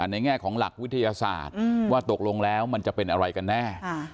แง่ของหลักวิทยาศาสตร์ว่าตกลงแล้วมันจะเป็นอะไรกันแน่